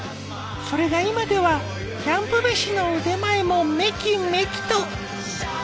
それが今ではキャンプメシの腕前もメキメキと！